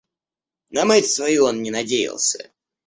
На мать свою он не надеялся.